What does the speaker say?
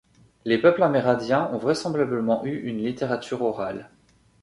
Les peuples amérindiens ont vraisemblablement eu une littérature orale.